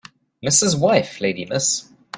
Mrs. wife lady Miss